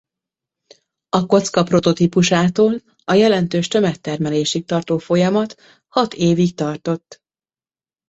A kocka prototípusától a jelentős tömegtermelésig tartó folyamat hat évig tartott.